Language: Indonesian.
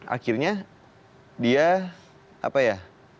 akhirnya dia apa ya